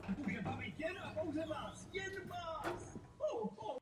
Jeho žákem byl Maurice Greene.